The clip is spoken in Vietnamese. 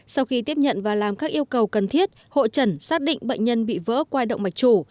sau khi tiếp nhận và làm các yêu cầu cần thiết hộ trẩn xác định bệnh nhân bị vỡ qua hệ động mạch chủ